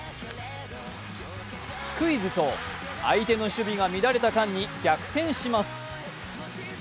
スクイズと相手の守備が乱れた間に逆転します。